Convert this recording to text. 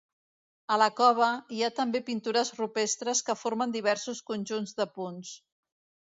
A la cova, hi ha també pintures rupestres que formen diversos conjunts de punts.